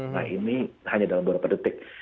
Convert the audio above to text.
nah ini hanya dalam beberapa detik